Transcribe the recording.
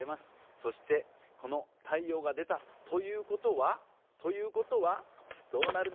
そしてこの太陽が出たということはということはどうなるんでしょう？